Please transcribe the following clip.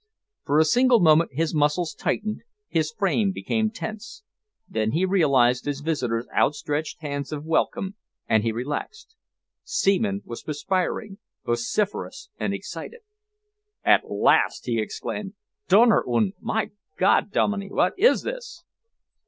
For a single moment his muscles tightened, his frame became tense. Then he realised his visitor's outstretched hands of welcome and he relaxed. Seaman was perspiring, vociferous and excited. "At last!" He exclaimed. "Donner und! My God Dominey, what is this?"